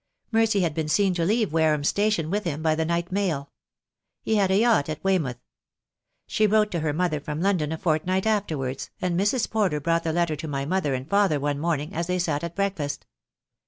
Mercy had been seen to leave Wareham Station with him by the night mail. He had a yacht at Weymouth. She wrote to her mother from London a fortnight afterwards, and Mrs. Porter brought the letter to my mother and father one morning, as they sat at breakfast.